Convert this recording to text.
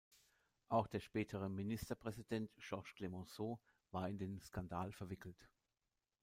Auch der spätere Ministerpräsident Georges Clemenceau war in den Skandal verwickelt.